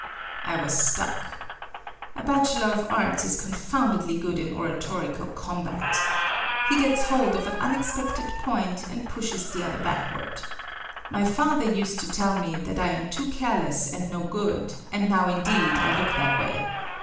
I was stuck. A Bachelor of Arts is confoundedly good in oratorical combat. He gets hold of unexpected point, and pushes the other backward. My father used to tell me that I am too careless and no good, and now indeed I look that way.